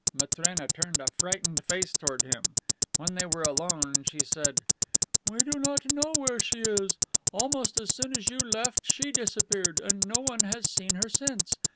Matrena turned a frightened face toward him. When they were alone, she said: "We do not know where she is. Almost as soon as you left she disappeared, and no one has seen her since.